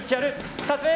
２つ目。